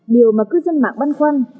điều mà cư dân mạng băn khoăn